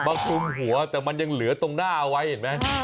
คลุมหัวแต่มันยังเหลือตรงหน้าเอาไว้เห็นไหม